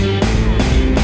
udah bocan mbak